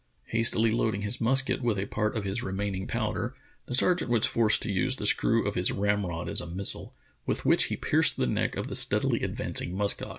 Hastily loading his musket with a part of his remain ing powder, the sergeant was forced to use the screw of his ramrod as a missile, with which he pierced the neck of the steadily advancing musk ox.